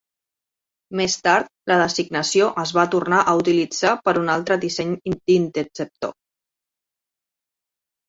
Més tard, la designació es va tornar a utilitzar per a un altre disseny d'interceptor.